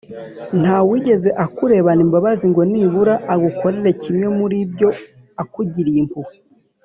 Nta wigeze akurebana imbabazi ngo nibura agukorere kimwe muri ibyo akugiriye impuhwe